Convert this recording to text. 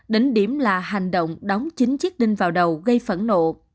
đỉnh điểm là hành động đóng chính chiếc đinh vào đầu gây phẫn nộ